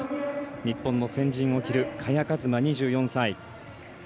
日本の先陣を切る萱和磨、２４歳。